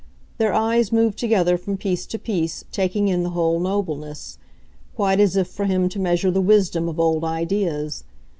Their eyes moved together from piece to piece, taking in the whole nobleness quite as if for him to measure the wisdom of old ideas.